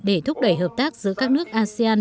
để thúc đẩy hợp tác giữa các nước asean